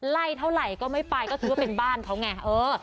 ไล่เท่าไหร่ไม่ไปก็ถือว่าเป็นบ้านเขาไง